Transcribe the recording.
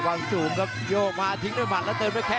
ขวางสูงครับโยกมาทิ้งด้วยบัตรแล้วเติมไปแค่